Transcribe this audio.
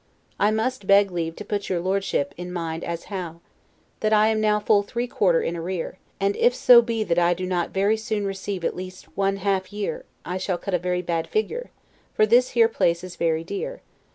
I must beg leave to put your Lordship in mind AS HOW, that I am now full three quarter in arrear; and if SO BE that I do not very soon receive at least one half year, I shall CUT A VERY BAD FIGURE; FOR THIS HERE place is very dear.